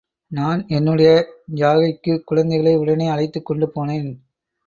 நான் என்னுடைய ஜாகைக்குக் குழந்தைகளை உடனே அழைத்துக்கொண்டு போனேன்.